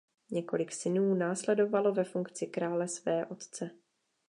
Několik synů následovalo ve funkci krále své otce.